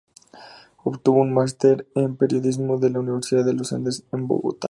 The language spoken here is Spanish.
Obtuvo un master en periodismo de la Universidad de los Andes, en Bogotá.